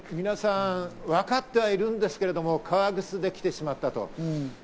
皆さん分かってはいるんですけれども、革靴で来てしまったと。